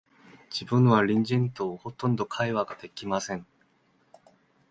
自分は隣人と、ほとんど会話が出来ません